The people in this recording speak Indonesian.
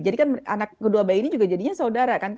jadi kan anak kedua bayi ini juga jadinya saudara kan